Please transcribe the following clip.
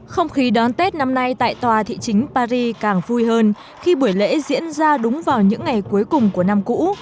không khí đón tết năm nay tại tòa thị chính paris càng vui hơn khi buổi lễ diễn ra đúng vào những ngày cuối cùng của năm cũ